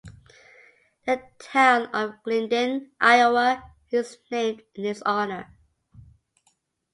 The town of Glidden, Iowa, is named in his honor.